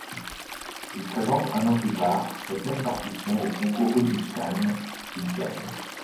Il présente un an plus tard cette même partition au concours Rubinstein, qu'il gagne.